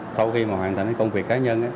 sau khi hoàn thành công việc cá nhân